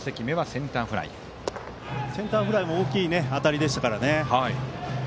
センターフライも大きい当たりでしたからね。